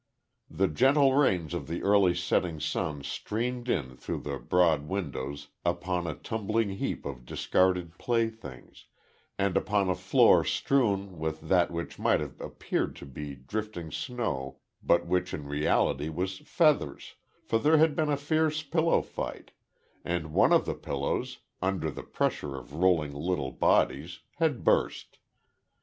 The gentle rays of the early setting sun streamed in through the broad windows upon a tumbled heap of discarded playthings, and upon a floor strewn with that which might have appeared to be drifting snow but which in reality was feathers; for there had been a fierce pillow fight; and one of the pillows, under the pressure of rolling little bodies, had burst.